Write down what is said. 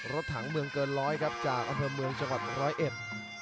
รถถังเมืองเกินร้อยครับจากอเทอร์เมืองจังหวัด๑๐๑